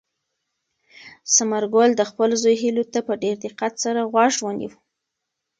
ثمرګل د خپل زوی هیلو ته په ډېر دقت سره غوږ ونیو.